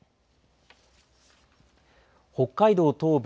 北海道東部